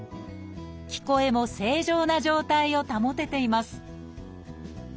聞こえも正常な状態を保てています